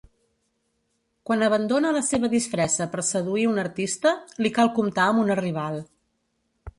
Quan abandona la seva disfressa per seduir un artista, li cal comptar amb una rival.